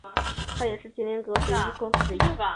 他也是麒麟阁十一功臣之一。